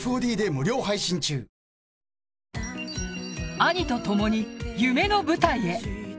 兄とともに、夢の舞台へ。